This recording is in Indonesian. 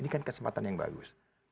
ini kan kesempatan yang bagus